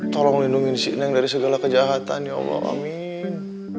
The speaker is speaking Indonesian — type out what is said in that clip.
tolong lindungi si neng dari segala kejahatan ya allah amin